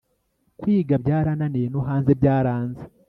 kwiga byarananiye nohanze byaranze